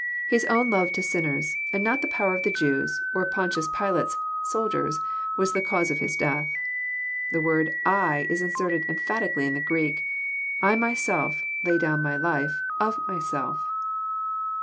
His own love to sinners, and not the power of the Jews or Pontius Pilate's soldiers, was the cause of His death. The word '<!" is inserted emphatically in the Greek. "1 myself" lay down my life " of myself."